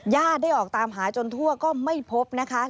ญาติได้ออกตามหาจนทั่วก็ไม่พบนะคะ